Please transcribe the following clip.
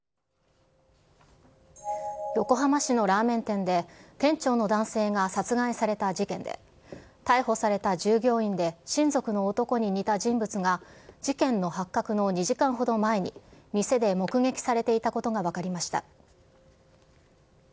横浜市のラーメン店で、店長の男性が殺害された事件で、逮捕された従業員で親族の男に似た人物が、事件の発覚の２時間ほど前に、店で目撃されていたことが分かりました。